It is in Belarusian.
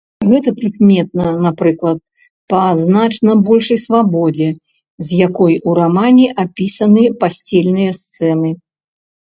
Гэта прыкметна, напрыклад, па значна большай свабодзе, з якой у рамане апісаны пасцельныя сцэны.